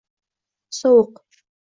Sovuq